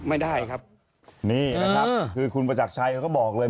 ไม่ได้ครับนี่นะครับคือคุณประจักรชัยเขาก็บอกเลย